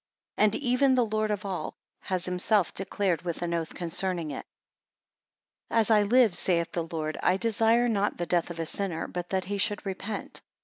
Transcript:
And even the Lord of all, has himself declared with an oath concerning it; 10 As I live, saith the Lord, I desire not the death of a sinner, but that he should repent.